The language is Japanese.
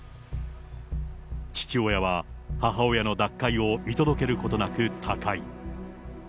父親は母親の脱会を見届けることなく他界。